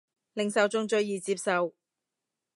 令受眾最易接受